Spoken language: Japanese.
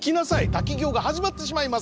滝行が始まってしまいます。